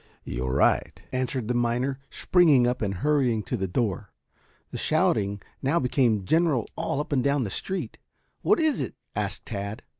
"You're right," answered the miner, springing up and hurrying to the door. The shouting now became general all up and down the street. "What is it?" asked Tad.